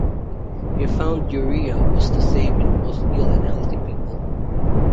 He found urea was the same in both ill and healthy people.